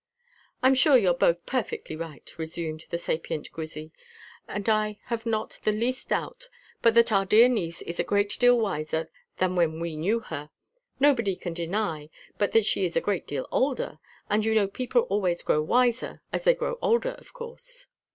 "I'm sure you are both perfectly right," resumed the sapient Grizzy, "and I have not the least doubt but that our dear niece is a great deal wiser than when we knew her; nobody can deny but she is a great deal older; and you know people always grow wiser as they grow older, of course."